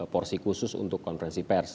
porsi khusus untuk konferensi pers